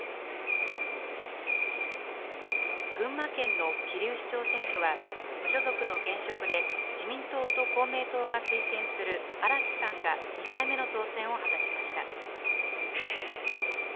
群馬県の桐生市長選挙は無所属の現職で、自民党と公明党が推薦する荒木さんが２回目の当選を果たしました。